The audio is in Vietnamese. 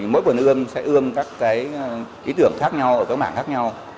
mỗi vườn ươm sẽ ươm các ý tưởng khác nhau ở các mảng khác nhau